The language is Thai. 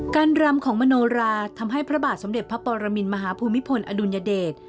รำของมโนราทำให้พระบาทสมเด็จพระปรมินมหาภูมิพลอดุลยเดช